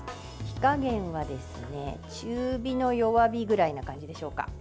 火加減は、中火の弱火ぐらいな感じでしょうか。